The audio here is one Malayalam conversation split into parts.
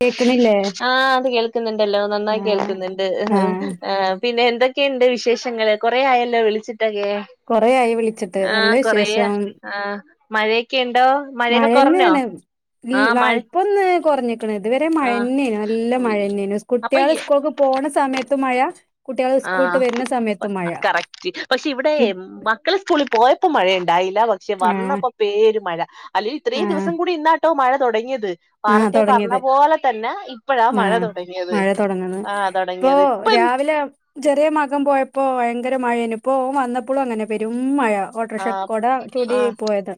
കേക്ക്ണില്ലേ ആഹ് അത് കേൾക്ക്ന്ന്ണ്ടല്ലോ നന്നായി കേൾക്ക്ന്ന്ണ്ട് ആഹ് പിന്നെ എന്തെ ക്കേണ്ട് വിശേഷങ്ങള് കൊറേ ആയല്ലോ വിളിച്ചിട്ടക്കെ? കൊറേ ആയി വിളിച്ചിട്ട് ആ നല്ല കൊറേയാ വിശേഷം ആ മഴയൊക്കെണ്ടോ മഴയൊക്കെ കൊറഞ്ഞോ ഇ ആഹ് ഇപ്പൊന്ന് കൊറഞ്ഞക്കണ് ഇതുവരെ ആഹ് മഴന്നെയേന് നല്ല ഉയ് മഴയന്നെയേന് അപ്പൊ ഈ കുട്ടികളെ സ്കൂൾക്ക് പോണ സമയത്ത് മഴ കുട്ടികള് സ്കൂളട്ട് ആഹ് വരുന്ന സമയത്ത് മഴ കറക്റ്റ് പക്ഷെ ഇവിടെ മക്കള് സ്കൂളിൽ പോയ പ്പൊ മഴയിണ്ടായില്ല പക്ഷെ ആഹ് വന്നപ്പോ പേര് മഴ അല്ലെങ്കിൽ ഇത്രയും ആഹ് ദിവസം കൂടി ഇന്ന ട്ടോ മഴ തൊടങ്ങിയത് ആഹ് വാർത്തയിൽ പറഞ്ഞ തുടങ്ങിയത് പോലെ തന്നെ ഇപ്പഴാ മഴ ആഹ് തൊടങ്ങിയത് മഴ തുടങ്ങുന്നത് ആഹ ഇപ്പൊ തൊടങ്ങിയത് ഇപ്പ രാവിലെ ചെറിയ മകൻ പോയപ്പോ ഭയങ്കര മഴേന് ഇപ്പോ വന്നപ്പോളും അങ്ങനെ പെരും മഴ ഓട്ടോറിക്ഷ കൊട ചൂടി പോയത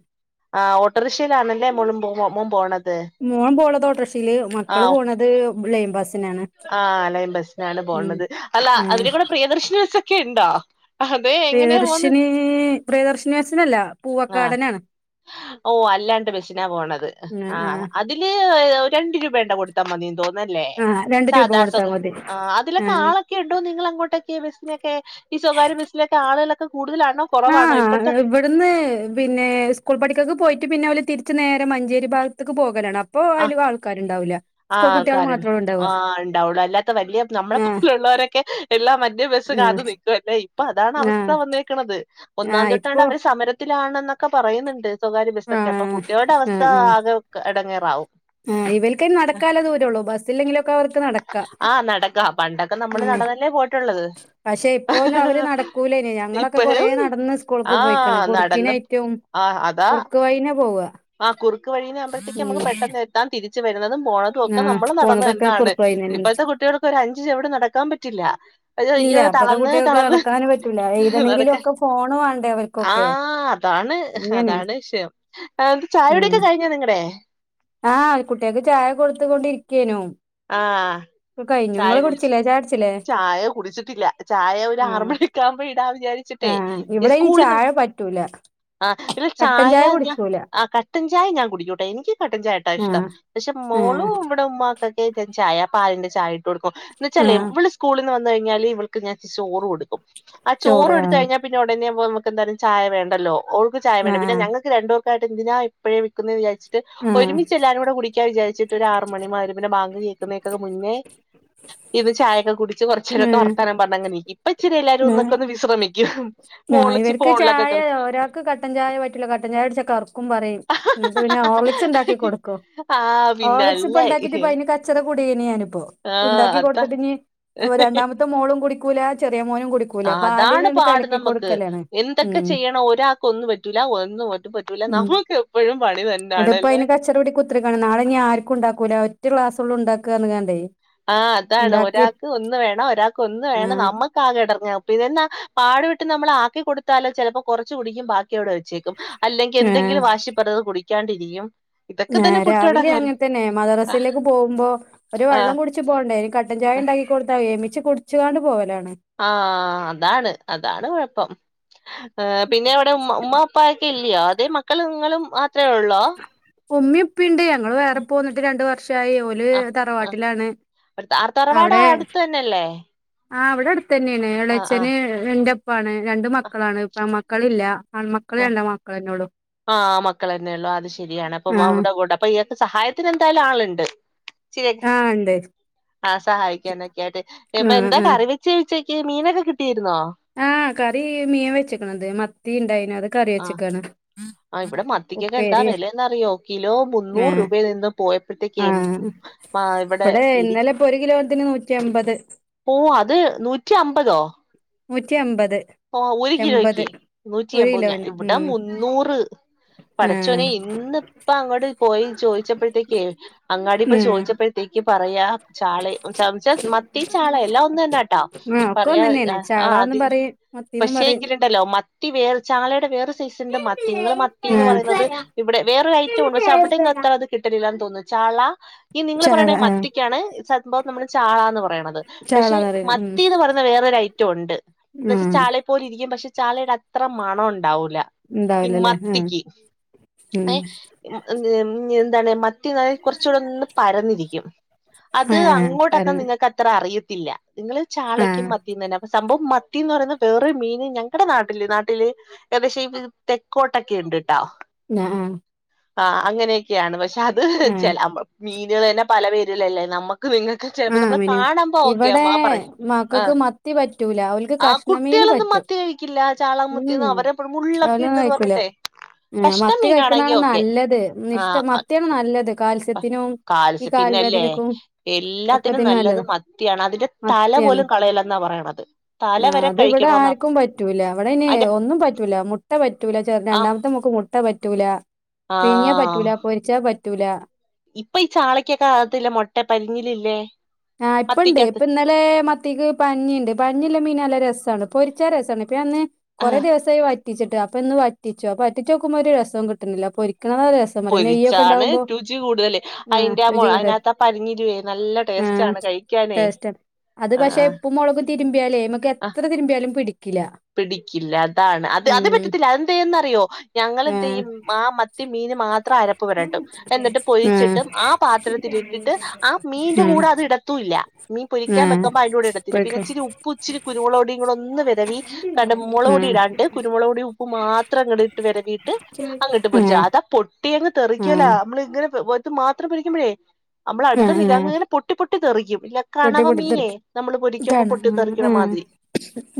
ആ ഓട്ടോറിക്ഷയിലാണല്ലേ മോളും മോൻ പോണത് മോൻ പോണതോട്രഷീയില് മക്കള് പോണത് ലൈൻ ബസിനാണ് ആ ലൈൻ ബസിലാണ് ഉം പോണത് അല്ല ആ അതില് കൂടെ പ്രിയദർശനി ബസൊക്കെ ഒക്കെ ഇണ്ടോ പ്രിയദർശിനി പ്രിയദർശിനി ബസിനല്ല ആഹ ഓ അല്ലാണ്ട് ബസിനാ പോണത് ആ ആ ആഹ് ഇതില് രണ്ട് രൂപേണ്ട കൊടുത്താൽ മതി തോന്ന് ല്ലേ ആ രണ്ട് രൂപ സദാ കൊടുത്താ സൊക് മതി ആ അതിൽ ഒക്കെ ആ ആളെ കേട്ടു നിങ്ങൾ അങ്ങോട്ടൊക്കെ ബസ്സിനൊക്കെ ഈ സ്വകാര്യ ബസ്സിലൊക്കെ ആളുകളൊക്കെ കൂടുതലാണോ കൊറവാണോ ഇപ്പഴത്തെ അത് ന്ന് പിന്നെ സ്കൂൾ പഠിക്കൊക്കെ പോയിട്ട് പിന്നെ ഓല് തിരിച്ച് നേരെ മഞ്ചേരി ഭാഗത്തക്ക് പോകലാണ് ഇപ്പൊ ആ അയിലും ആൾക്കാരുണ്ടാവൂല്ല ആഹ് സ്കൂൾ കുട്ടികള് ആൾക്കാരുണ്ട്. മാത്രണ് ഉണ്ടാവ ആഹ് ഉണ്ടാവുള്ളൂ. അല്ലാത്ത വലിയ നമ്മളെ പോലുള്ളവരൊക്കെ എല്ലാം മറ്റ് ബസ്സ് കാത്ത് നിൽക്കുംല്ലേ ഇപ്പൊ അതാണ് ആ ആ അവസ്ഥ വന്നേക്കണത് ആ ഒന്നാന്തി ഇപ്പോ തൊട്ടാണ്ട് അവര് സമര ത്തിലാണെന്നൊക്കെ പറയുന്നുണ്ട് സ്വകാര്യ ആ ബസ്സൊക്കെ അപ്പൊ കുട്ടികളുടെ ആ അവസ്ഥ ആ ആകെ എടങ്ങേറാവും ആ ഇവൽക്കയിന് നടക്കാള്ള ദൂരേ ഒള്ളൂ ബസ്സില്ലെങ്കിലൊക്കെ ഓല്ക്ക് നട ആഹ് നടക്കാം പണ്ടൊക്കെ നമ്മള് നടന്നല്ലേ പോയിട്ടുള്ളത് സ്കൂളന്നെയ ഞങ്ങളൊക്കെ കൊറെേ ഇപ്പഴും നടന്ന് സ്കൂൾക്ക് പോയിക്കണ് ആഹ് കുറുക്കിന് നടന്ന് ആയിട്ടും ആഹ് അത കുറുക്ക് വൈനെ പോവാ ആ കുറുക്ക് വഴീനെ ആമ്പഴത്തേക്ക് ഉം നമുക്ക് പെട്ടെന്ന് എത്താം തിരിച്ചു വരുന്നതും പോണതും ഒക്കെ ആഹ് നമ്മള് നടന്നു പോണതൊക്കെ എന്നാണ് കുറുക്ക് വഴിനന്നെ ഇപ്പഴത്തെ കുട്ടികൾക്കൊരു അഞ്ച് ചൊവിട് നടക്കാൻ പറ്റില്ല ഇല്ല അയ്യോ ഇപ്പത്തെ തളർന്ന് കുട്ടികൾക്ക് തളർന്ന് നടക്കാനും പറ്റൂല എഴുതണെങ്കിലും നടക്കാൻ ഒക്കെ ഫോണ് വേണ്ടേ അവർക്കൊക്കെ ആഹ അതാണ് അങ്ങനെയാണ് അതാണ് വിഷയം ആ എന്നിട്ട് ഉം ചായോടിയൊക്കെ കഴിഞ്ഞോ നിങ്ങടെ ആഹ് കുട്ടികൾക്ക് ചായ കൊടുത്ത് കൊണ്ടിരിക്കേനു ആഹ് ചായ കുടിച്ച് ചായ കുടിച്ചില്ലേ ചായ കുടിച്ചിട്ടില്ല ചായ ഒരു ആറ് ആഹ് മണി ഒക്കെ ആവുമ്പോ ഇടാൻ വിചാരിച്ച ആഹ് ഇവിടെ ഇനി ഇസ്കൂളന്ന് ചായ പറ്റൂല ആ ഇല്ല കട്ടൻ ചായ കുടിക്കൂല ആ കട്ടൻ ചായ ഞാൻ കുടിക്കൂട്ടോ എനിക്ക് കട്ടൻ ചായട്ടാ ഇഷ്ടം ആഹ് പക്ഷെ ആഹ് മോളും ഇവിടെ ഉമ്മാ ഏ ചായ പാലിന്റെ ചായ ഇട്ട് കൊടുക്കും എന്ന് വച്ചാലേ ആഹ് ഇവള് സ്കൂളിൽന്ന് വന്ന് കഴിഞ്ഞാല് ഇവൾക്ക് ഞാൻ ചോറ് കൊടുക്കും ആ ചോറ് കൊടുത്ത് കഴിഞ്ഞാ പിന്നെ ഉടനെ ആവുമ്പോ നമക്ക് എന്തായാലും ചായ വേണ്ടല്ലോ ഒൾക്ക് ചായ വേണ്ട പിന്നെ ആഹ് ഞങ്ങക്ക് ങ്ങക്ക് രണ്ടും ഒക്കെ ആയിട്ട് എന്തിനാ ഇപ്പോഴേ വെക്കുന്നേന്ന് വിചാരിച്ചിട്ട് ആഹ് ഒരുമിച്ച് എല്ലാരും കൂടെ കുടിക്കാൻ വിചാരിച്ചിട്ട് ഒരു ആറ് മണി മഗ് ബാങ്ക് കേൾക്കുന്നതേക്കൊക്കെ മുന്നേ ഇത് ചായൊക്കെ കുടിച്ച് കുറച്ച് നേരൊക്കെ ആഹ് വർത്താനം പറഞ്ഞങ്ങനെ ഇരിക്കും അപ്പച്ചിരി എല്ലാരും ഒന്നൊക്കെ ഒന്ന് വിശ്രമിക്കും ആഹ മോളിച്ചി ഇവർക്ക് ഫോണിലൊക്കെ ചായ കളി ഒരാൾക്ക് കട്ടൻ ചായ പറ്റൂല കട്ടൻ ചായ കുടിച്ച കറ്ക്കും പറയും ഇന്നിട്ട് പിന്നെ ഹോർലിക്സ് ഇണ്ടാക്കി കൊടുക്കും ആഹ് പിന്നെ അല്ലെയ് ഇപ്പൊ അയിന് കച്ചറ കൂടേനി ഞാനിപ്പോ ഇണ്ടാക്കി അതാ കൊടുത്തിട്ട് ഇനി രണ്ടാമത്തെ മോളും കുടിക്കൂല ചെറിയ മോനും കുടിക്കൂല ആ, അതാണ് പാലിലണ്ട് പാട് കലക്കി നമുക്ക് കൊടുക്കലാണ് എന്തൊക്കെ ഉം ചെയ്യണം ഒരാൾക്ക് ഒന്ന് പറ്റൂല്ല ഒന്നും ഒട്ടും പറ്റൂല നമ്മക്ക് എപ്പഴും പണി തന്നാണ് ഇപ്പൊ അയിന് കച്ചറ കൂടി കു തിരിക്കാണ് നാളെ ഇനി ആർക്കും ഇണ്ടാക്കൂല ഒറ്റ ക്ലാസ്സൊള്ളു ഇണ്ടാക്കാ പറഞ്ഞ്ങ്ങാണ്ടേ ആഹ്‌ അതാണ് ഒരാക്ക് ഒന്ന് വേണം ഒരാൾക്ക് ഒന്ന് വേണം ആഹ് നമ്മക്ക് നമ്മക് ആകെ എടങ്ങേറാണ് ഇപ്പൊ ഇതെന്നെ പാടുപെട്ട് നമ്മൾ ആക്കി കൊടുത്താല് ചെലപ്പോ കുറച് കുടിക്കും ബാക്കിയവിടെ വച്ചേക്കും അല്ലെങ്കി ആഹ് എന്തെങ്കിലും വാശിപ്പറഞ്ഞത് കുടിക്കാണ്ടിരിക്കും ഇതൊക്കെ ഏഹ്‌ തന്നെ കുട്ടിയുടെ രാവിലിം കാര്യം അങ്ങനെ തന്നെ ആ മദ്രാസയിലേക്ക് പോകുമ്പോ ഒരു ആ വെള്ളം കുടിച്ച് പോണ്ടേ കട്ടൻ ചായ ഇണ്ടാക്കി കൊടുത്താ ഏമ്പിച്ച് കുടിച്കാണ്ട് പോവലാണ് ആഹ് അതാണ് അതാണ് കൊഴപ്പം പിന്നെ അവിടെ ഉമ്മ ഉമ്മ ഉപ്പ ഒക്കെ ഇല്ലെയോ അതേ മക്കളും നിങ്ങളും മാത്രേ ഒള്ളോ ഉമ്മീം ഉപ്പീംണ്ട് ഞങ്ങള് വേറെ പോന്നിട്ട് രണ്ട് വർഷായി ഓല് ല് ആഹ് ആഹ് തറവാട്ടിലാണ് അവിടെ ന്നല്ലേ ആ് ഇവിടെ അടുത്തന്നെയാണ് എളച്ചന് ന്റെപ്പാണ് രണ്ട് മക്കളാണ് പെൺ മക്കളില്ല ആൺ മക്ക ആ് ആഹ്‌ മക്കളന്നെ ഉള്ളൂ അത് ശരിയാണ് ആ അപ്പം അവര്ടെ കൂടെ അപ്പൊ സഹായത്തിന് എന്തായാലും ആള്ണ്ട് ശരി ആ ഉണ്ട് ആഹ് സഹായിക്കാനൊക്കെ ആയിട്ട് ആ ഇപ്പൊ എന്താ കറി വെ ച്ച് ഉച്ചക്ക് മീനൊക്കെ കിട്ടിയിരുന്നോ ആഹ് കറി മീൻ വെച്ചക്കണത് മത്തി ഇണ്ടായിനു അത് കറി വെച്ക്കാണ് ആ ഇവിടെ മത്തിക്കൊക്കെ എന്താ വെലയന്നറിയോ കിലോ ആ മുന്നൂറ് രൂപയിൽ നിന്ന് പോയ ആ പ്പോത്തേക്കും ആ ഇവിടെ പിടി ഇന്നലെ ഇപ്പൊ ഒരു കിലോത്തിന് നൂറ്റി അമ്പത് ഓഹ്‌ അത് നൂറ്റി അമ്പതോ നൂറ്റി എമ്പത് ഓഹ്‌ ഒരു കിലോയ്ക്ക് നൂറ്റി ഒരു എമ്പത് ഞാ കിലോന് ഇവിടെ ഉം മുന്നൂറ് ആ പടച്ചോനെ ഇന്ന് പ്പൊ അങ്ങട്ട് പോയി ചോയിച്ചപ്പഴത്തേക്ക് അങ്ങാടി ആ പോയി ചോയിച്ചപ്പഴത്തേക്ക് പറയാ ചാളേം ന്ന് വച്ച മത്തി ചാള എല്ലാം ഒന്ന് തന്നെയാട്ടാ ആ ഒക്കെ ഒന്ന് പറയാ തന്നെയാണ് ആ ചാളാന്നും അതിന് പറയും മത്തിന്നും പക്ഷെ പറയും എങ്കിലുണ്ടല്ലോ മത്തി വേർ ചാളയുടെ വേറെ സാ സൈസ് ണ്ട് മത്തി ഇങ്ങള് മത്തിന്ന് പറയുന്നത് ആ ഇവിടെ വേറൊരു ഐറ്റം ഉണ്ട് പക്ഷെ അവിടെന്നും അത്ര അത്‌ കിട്ടലില്ലാന്ന് തോന്നുന്നു ചാള ഈ നിങ്ങള് ചാള പറയ്ണ ഈ ആ മത്തിക്കാണ് സംഭവം നമ്മൾ ചാളാന്ന് പറയണത് പക്ഷെ ചാളന്നറിയുന്ന ഉം മത്തിന്ന് പറയ് വേറൊരു ഐറ്റം ഉണ്ട് എന്ന് വെച്ചാ ആഹ് ചാളയെ പോലെ ഇരിക്കും പക്ഷെ ചാളയുടെ അത്ര മണം ഉണ്ടാവൂല ഈ ഉണ്ടാവില്ലല്ലേ ആഹ് മത്തിക്ക് ഉം ഏഹ് ഉം ഏഹ്‌ എന്താണ് മത്തി എന്നാൽ കുറച്ചൂടെ ഒന്ന് പരന്നിരിക്കും അത് ആഹ് അങ്ങോട്ടൊക്കെ പരന്ന നിങ്ങക്ക് അത്ര അറിയത്തില്ല ഇങ്ങള് ചാളയ്ക്കും ആഹ് മത്തീന്നെന്നെ അപ്പം സംഭവം മത്തിന്ന് പറയുന്ന വേറൊരു മീന് ഞങ്ങടെ നാട്ടില് നാട്ടില് ഏഹ്‌ പക്ഷെ ഇപ്പൊ ഇത് തെക്കോട്ടൊക്കെ ഇണ്ട് ട്ടാ ഏഹ് ആഹ്‌ അങ്ങനെയക്കെയാണ് പക്ഷെ അത് ആഹ് ചെല അമ്മൾ മീന്ളെന്നെ പല പേരിലല്ലേ നമ്മുക്ക് നിങ്ങ ക്ക് ചിലപ്പോ ആഹ് നമ്മള് മിനി കാണമ്പോ ഇവിടെ ഓക്കെയാവും ആ പറയ് മക്കൾക്ക് ആഹ് മത്തി പറ്റൂല ഓൽ ക്ക് കഷ്ണ മീന് പറ്റും മത്തി കഴിക്കില്ല ചാള ഉം മത്തിയൊന്നും ഉം അവരെപ്പോഴും മുള്ളൊക്കെ ഓലൊന്നും ഉണ്ടന്ന് കയിക്കൂല പറഞ്ഞിട്ടെ ഏഹ് കഷ്ണം മത്തി മീനാണെങ്കി കഴിക്ക്ണാണ് ഓക്കെ നല്ലത് ഇഷ്ട ആ മത്തിയാണ് നല്ലത് കാൽസ്യത്തിന് തിനും ഈ കാൽസ്യ പിന്നല്ലേ കാൽവേദനക്കും എല്ലാത്തിനും ഒക്കത്തിന് നല്ലത് നല്ലതാ മത്തിയാണ് അതിന്റെ തല മത്തിയാണ് പോലും കളയല്ലന്നാ പറയണത് തല ആഹ് വരെ അതിവിടെ കഴിക്കണോന്നാ ആർക്കും പറ്റൂല ഇവിടെനി അതിന്റെ ഒന്നും പറ്റൂല മുട്ട പറ്റൂല ചെറ ആ രണ്ടാമത്തെ മോൾക് മുട്ട ട്ട പറ്റൂല ആ പുഴിങ്ങിയാ പറ്റൂല പൊരിച്ചാ പറ്റൂല ഇപ്പൊ ഈ ചാളക്കൊക്കെ അകത്തില്ല മുട്ട പരിഞ്ഞിലില്ലേ ആഹ് ഇപ്പൊ ഉണ്ട് മത്തിക്കകത്ത് പ്പൊന്നൽ ലെ മത്തിക്ക് പഞ്ഞിണ്ട് പഞ്ഞില്ല മീന് നല്ല രസാണ് പൊരിച്ച രസമാണ് പിന്നെ അന്ന് ആ കൊറേ ദിവസ സായി വറ്റിച്ചിട്ട് അപ്പൊ ഇന്ന് വറ്റിച്ചു പ്പൊ വറ്റിചോക്കുമ്പോ ഒരു രസോം കിട്ടുന്നില്ല പൊരിക്കണതാ രസം പറയ നെയ്യൊക്കെ പൊരിച്ചാണ് ഇണ്ടാവുമ്പോ രുചി കൂടുതല് ആഹ് അയിന്റെ ആ മൊ രുചി കൂടുതൽ അയിനാത്താ പരിഞ്ഞിലുവേ നല്ല ടേസ്റ്റ് ആഹ് ആണ് കഴിക്കാനേ ടേസ്റ്റാ അത് ആ പക്ഷെ ഇപ്പും മുളകും തിരുമ്പിയാലേമക്ക് ആ എത്ര തിരുമ്പിയാലും പിടിക്കില്ല പിടിക്കില്ല അതാണ് അത് അത് ഉം പറ്റത്തില്ല അതെന്തന്ന്റിയോ ആഹ് ഞങ്ങളെന്തെയ്യും ആഹ് മത്തി മീന് മാത്രം അര ഉപ്പ് പൊരിട്ടും എന്നിട്ട് ആഹ് പൊരിച്ചിട്ടും ആഹ് പാത്രത്തിലിട്ടിട്ട് ആഹ് മീന്റെ കൂടെ ആഹ് അത് ഇടത്തൂല്ല മീ പൊരിക്കാൻ ആഹ് വെക്ക്മ്പോ അതിനോടെ ഇടത്തില്ല പിന്നെ പോയിക്കോ ഇച്ചിരി ഉപ്പ് ഇച്ചിരി കുരുമുളക് പൊടി ഒന്ന് വിതവി കണ്ട് ആഹ് മുളക് പൊടി ഇടാണ്ട് കുരുമുളക് പൊടി ഉപ്പ് മാത്രം അങ്ങട്ട് വരവിയിട്ട് അങ്ങട്ട് പൊരിചു ആഹ് അത പൊട്ടു പൊട്ടി അങ് തെറിക്കല ആഹ് നമ്മൾ ഇങ്ങനെ മാത്രം പിരിക്കുമ്പോഴേ നമ്മൾ ആഹ് ആഹ് അടുത്ത് പൊട്ടി പൊട്ടിത്തെറിക്കും ഇല്ല പൊട്ടി കണവ പൊട്ടി മീനെ തെറിക്കും നമ്മൾ പൊരിക്കുമ്പോ കാണാ ആഹ് പൊട്ടിത്തെറിക്കണ ആഹ് മാതിരി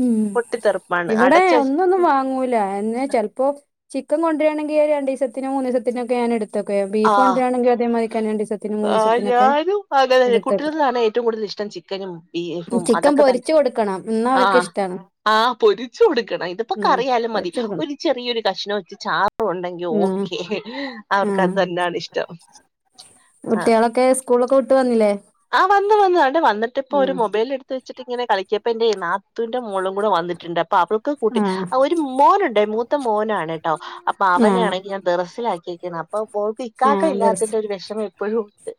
ഉം പൊട്ടിത്തെറിപ്പാണ് ഇവിടെ അടച്ച് എന്നൊന്നും വാങ്ങൂല എന്ന ചിലപ്പോ ചിക്കൻ കൊണ്ടുവരികാണെങ്കിൽ രണ്ടീസത്തിനും മൂന്നീസത്തിനൊക്കെ ഞാൻ എടുത്ത ഇതൊക്കെ ബീഫ് ആഹ് കൊണ്ടരാണെങ്കിൽ അതേ മതി രണ്ടീസത്തിനും ആഹ് മൂന്നീസത്തിനൊക്കെ ഞാനും അങ്ങനെ തന്നെ. എടുത്തേക്കാം കുട്ടികളിലാണ് ഏറ്റവും കൂടുതൽ ഇഷ്ടം ചിക്കനും ബീഫും അതൊക്കെ തന്നെ എന്നാ അവർക്ക് ആഹ് ഇഷ്ടാണ് ആഹ് പൊരിച്ചു കൊടുക്കണം ഉം ഇതിപ്പോകറിയാലും മതി പൊരിച്ച് കൊടുക്കണം ഒരു ചെറിയൊരു കഷ്ണം വെച്ച് ചാ ഇ ഉണ്ടെങ്കി ഉം ഓക്കെ അവർക്ക് അത് ആഹ് തന്നെയാണ് ഇഷ്ടം ആഹ് കുട്ടികളൊക്കെ സ്കൂളൊക്കെ വിട്ട് വന്നില്ലേ ആഹ് വന്ന് വന്നു വന്നിട്ട് ഇപ്പോ ഒരു ഉം മൊബൈൽ എടു [unintelligible] വച്ചിട്ട് ഇങ്ങനെ കളിക്കിയപ്പ എന്റെ നാത്തുവിന്റെ മോളും കൂടെ വന്നിട്ടുണ്ട് അപ്പൊ അവൾക്ക് കൂട്ടി ആഹ് ഒരു മോനുണ്ടേ മൂത്ത മോനാണ് കേട്ടോ അപ്പൊ ആഹ് അവനെയാണെ ഞാൻ ടെറസിലാക്കിക്ക അപ്പൊക്ക് ഇക്കാക്ക ആഹ് ദർസ് ഇല്ലാത്തിന്റെ ഒരു വിഷമം എപ്പോഴും ഉണ്ട്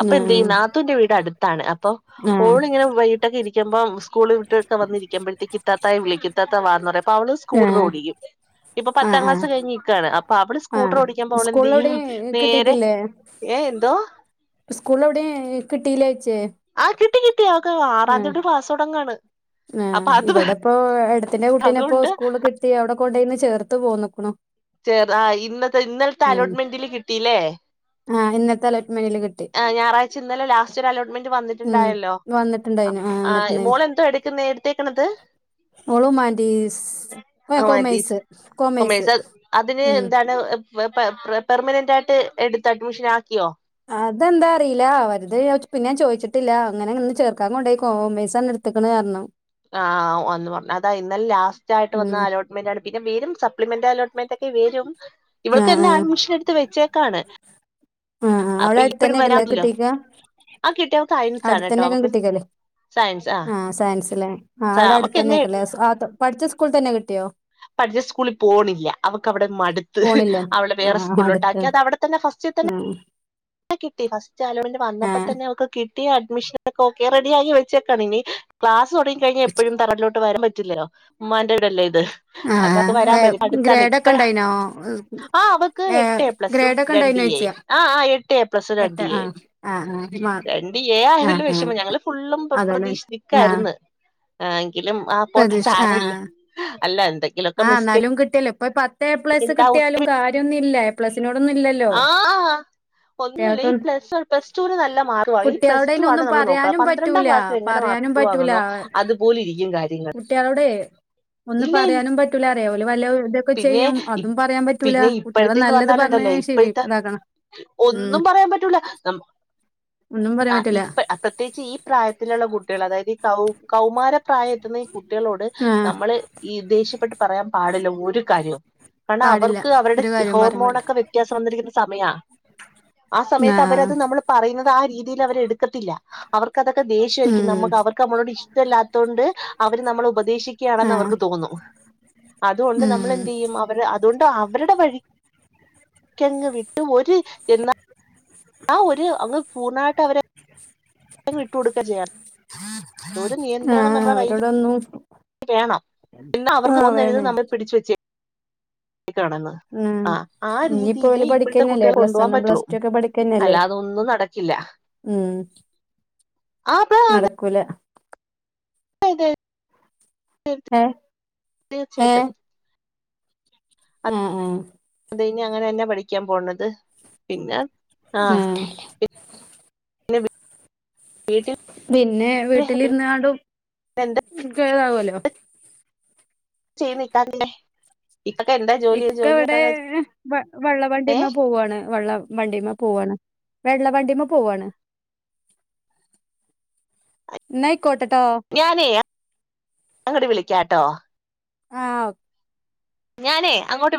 അപ്പൊ എന്ത് ആഹ് ചെയ്യുന്ന ത്തിന്റെ വീട് അടുത്താണ് അപ്പൊ ആഹ് ഓള് ഇങ്ങനെ വൈ ട്ടിക്കെ ഇരിക്കുമ്പം സ്കൂൾ വിട്ടൊക്കെ വന്നിരിക്കുമ്പോഴത്തേക്കി ഇത്താത്തയെ വിളിക്കും ഇത്താത്ത വാന്ന് അപ്പ അവള് സ്കൂട്ടർ ആഹ് ഓടിക്കും ഇപ്പൊ ആഹ് പത്താം ആഹ് ക്ലാസ് കഴിഞ്ഞ് നികണ് അപ്പൊ അവള് സ്കൂട്ടർ ആഹ് ഓടിക്കുമ്പോ അവളെന്തിയ്യും സ്കൂളിലെവിടേം നേരെ ഏഹ് എന്തോ സ്കൂൾ എവിടിം കിട്ടീല്ലച്ചേ ആഹ് കിട്ടി കിട്ടി അവക്ക് ആറാ തിയതിത്തൊട്ട് ക്ലാസൊടങാണ് ഹ് ഇവിടെപ്പോ ഏടത്തിന്റെ കുട്ടീപ്പോ അതുകൊണ്ട് സ്കൂള് കിട്ടി അവിടെ കൊണ്ടന്ന് ചേർത്ത് പോന്ന്കുണ് ചേറ ആഹ് ഇന്നത്തെ ഇന്നലത്തെ അലോട്ട്മെന്റില് കിട്ടില്ലേ ആഹ് ഇന്നത്തെ അലോട്ട്മെന്റില് കിട്ടി ആഹ് ഞായറാഴ്ച ഇന്നലെ ലാസ്റ്റ് ഒരു അലോട്ട്മെന്റ് ഉം വന്നിട്ട്ണ്ടായല്ലോ വന്നിട്ടുണ്ടായിനു ആഹ് വന്നിട്ടുണ്ടായിനു മോൾ എന്തോ എടുക്കുന്നേ എടുത്തേക്കണത് ഒളുമാൻറ്റീസ് ഹ് ആ മതി കൊമേഴ്സ് കൊമേഴ്സ് അതിന് ഉം എന്താണ് പെ പെ പെർമനന്റ് ആയിട്ട് എടുത്ത് അഡ്മിഷൻ ആക്കിയോ അതെന്താ അറിയില്ല അവരത് പിന്നെഞാൻ ചോദിച്ചിട്ടില്ല അങ്ങനെ ഇങ്ങന്ന് ചേർക്കാൻ കൊണ്ടായി കോമേഴ്സാടുത്ത് ത്ക്ക്ണ്അർന്നു ആഹ് ഒന്ന് പറഞ്ഞു അതാ ഇന്നലെ ലാസ്റ്റ് ആയിട്ട് വന്ന ഉം അലോട്ട ന് പിന്നെ വരും സപ്ലിമെന്റ് അലോട്ട്മെന്റ് ഒക്കെ വരും ഇവക്ക് ആഹ് തെനേ ആഹ് അഡ്മഷൻ എടുത്ത് വെച്ചേക്കാണ് ആഹ് അവടെ അപ്പൊ അടുത്ത ഇപ്പഴും തന്നെയ ഒക്കല്ലേ വരാല്ലോ കിട്ടീക്കാ ആ കിട്ടിയവൾക്ക് സയൻസ് ആണ് കേട്ടോ അടുത്തന്നെ ഒക്കെ അവക്ക് കിട്ടിക്കല്ലേ സയൻസ് ആ ആഹ് സയൻസിലെ ആഹ് അവിടെ അടുത്ത് അവക്ക് തന്നെ എന്നെ ഒക്കല്ലേ പഠിച്ച സ്കൂൾ തന്നെ കിട്ടിയോ പഠിച്ച സ്കൂളിൽ പോണില്ല അവൾക്ക് അവിടെ മടുത്ത് പോണില്ല അവിടെ ആ വേറെ സ്കൂളിലോട്ട് അടുത്ത് ആക്കി അത് അവിടെ തന്നെ ഫസ്റ്റ് തന്നെ ഉം കിട്ടി ഫസ്റ്റ് അലോട്ട്മെന്റ് ആ വന്നപ്പോ തന്നെ അവക്ക് കിട്ടി പുതിയ അഡ്മിഷനൊക്കെ ഓക്കെ റെഡിയായി വെച്ചേക്കാണ് ഇനി - ക്ലാസ് തൊടങ്ങിഴിഞ്ഞാ എപ്പോഴും തറവാട്ടിലോട്ട് വരാൻ പറ്റില്ലല്ലോ ഉമ്മാന്റെ വീടല്ലേ ഇത് ആ അപ്പൊ അവക്ക്‌ വരാൻ പറ്റും അടുത്താണ് ഗ്രേഡ് ഒക്കെ ഇപ്പഴ ഉണ്ടായിനോ ആ അവക്ക് ഏ എട്ട് എ പ്ലസും ഗ്രേഡ് ഒക്കെ രണ്ട് ഉണ്ടായിനോ എ യും ചോദിച്ചാ ആഹ് ആഹ് എട്ട് എ പ്ലസ് ഉം രണ്ട് എട്ട് ആ എ ഉം ആ ആ മാ രണ്ട് എ ആ ആയതിൽ ആ വിഷമം ഞങ്ങള് ഫുള്ളും അതോണ്ട് പ്രതീക്ഷി- ആ ക്കായിരുന്നു ആഹ് എങ്കിലും ആ പോട്ടെ സാരമില്ല എന്തെങ്കിലുമൊക്കെ ആഹ് എന്നാലും മിസ്റ്റേക്ക് കിട്ടിയല്ലോ ഇപ്പൊ പത്ത് എ പ്ലസ് ഉണ്ടാവും കിട്ടിയാലും കാര്യയൊന്നുമില്ല എ പ്ലസിനോടൊന്നുംയില്ലല്ലോ ആ ഒന്നുമില്ല ഈ പ്ലസ് പ്ല ടൂവി നല്ല മാർക് മതി പ്ലസ് കുട്ടികളോട് ടൂ അയിന് ആണ് ഒന്നും നമ്മള് നോക്കുക പറയാനും പന്ത്രണ്ടാം പറ്റൂല ക്ലാസ് - - - എങ്ങനെ പറയാനും മാർക്ക് പറ്റൂല വാങ്ങുന്നോ അതുപോലെ ഇരിക്കും കാര്യം. കുട്ടികളോടെ ഒന്നും പറയാനും പറ്റൂല അറിയമോ ഓല് വല്ല വെ ഒക്കെ പിന്നെ ചെയ്യും അതും പറയാൻ പറ്റൂല പിന്നെ കുട്ടികളെ ഇപ്പോഴത്തെന്ന് നല്ലത് പറഞ്ഞ് പറഞ്ഞാലുണ്ടല്ലോ ഇപ്പോഴത്തെ ശീലക്കണം അതാണ് - ഒന്നും പറയാൻ പറ്റൂല നമ്മ - ഒന്നും പറയാൻ പറ്റൂല പ്രത്യേകിച്ച് ഈ പ്രായത്തിലുള്ള കുട്ടികള് അതായത് ഈ കൗ കൗമാര പ്രായം എത്തുന്ന ഈ കുട്ടി - കുട്ടികളോട് ആഹ് നമ്മള് ഈ ദേഷ്യപ്പെട്ട് പറയാൻ പാടില്ല ഒരു കാര്യോം കാരണം പാടില്ല അവർക്ക് അവരുടെ ഒരു കാര്യം പറയാൻ ഹോർമോൺ പാടില്ല ഒക്കെ വ്യത വ്യത്യാസം വന്നിരിക്കുന്ന സമയ ആ സമയത്ത് ആഹ് അവരത് നമ്മൾ - പറയുന്നത് ആ രീതിയിൽ അവര് എടുക്കത്തില്ല അവർക്ക് അതൊക്കെ ദേഷ്യമായിരിക്കും ഉം നമുക്ക് അവർക്ക് നമ്മളോട് ഇഷ്ടം ഇഷ്‌ട്ടല്ലാത്തൊണ്ട് അവര് നമ്മള് ഉപദേശിക്കുകയാണെന്ന് ആഹ് അവർക്ക് തോനും അതുകൊണ്ട് നമ്മ ഉം ഇപ്പ എന്ത് ചെയും അവര് അതുകൊണ്ട് അവരുടെ വഴിക്കങ്ങ് വിട്ട് ഒര് എന്നാൽ - ആഹ് ഒരു അങ്ങ് പൂർണായിട്ട് അവരെ വിട്ട് കൊടുക്ക ചെയ്യാം ഒരു നിയത്രണം നമ്മടെ കയ്യില് - ഒന്നും [unintelligible] വേണം പിന്നെ അവർക്ക് ഒന്ന് വേണേ എഴുതുന്നത് നമ്മൾള് പിടിച്ച് വെച്ച [unintelligible] ഉം ആഹ് ആ ഇനിയിപ്പോ രീതിയില് ഓല് ഇപ്പോഴത്തെ പഠിക്കന്നല്ലേ കുട്ടികളെ കൊണ്ടു പ്ലസ് പോവാൻ വണ്ണും പറ്റുള്ളൂ പ്ലസ് ടു ഒക്കെ പഠിക്കന്നല്ലേ അല്ലാതൊന്നും നടക്കില്ല. ഉം അപ്പ അ [unintelligible] കുല ഏഹ് ഏഹ് തീർച്ചയായിട്ടും. ആഹ് ആഹ് അത് കഴിഞ്ഞ അങ്ങനെ തന്നാ പഠിക്കാൻ പോണത് പിന്നെ ആ ഏയെ പിന്നെ വീട്ടില് പിന്നെ പിന്നെ വീട്ടിലിരുന്നാണ്ടും എന്താ താ [unintelligible] വല്ലോ? ചെയ്നിട്ടാലെന്തെ ഇക്ക ഇവിടെ വള്ള ഏ വണ്ടിമേ പോവുവാണ് വള്ള വണ്ടിമേ പോവാണ് വെള്ള വണ്ടിമേ പോവാണ്. എന്നാ ആയിക്കോട്ടെ ട്ടോ ഞാനേ അങ്ങോട്ട് വിളിക്കാ ട്ടോ ആഹ് ഞാനേ അങ്ങോട്ട്